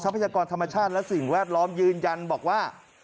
พยากรธรรมชาติและสิ่งแวดล้อมยืนยันบอกว่า